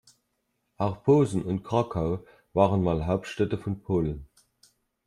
Auch Posen und Krakau waren mal Hauptstädte von Polen.